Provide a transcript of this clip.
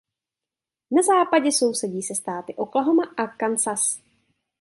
Na západě sousedí se státy Oklahoma a Kansas.